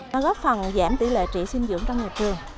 nó góp phần giảm tỷ lệ trị sinh dưỡng trong nhà trường